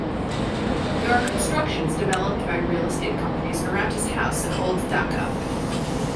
There are constructions developed by Real Estate companies around his house at Old Dhaka.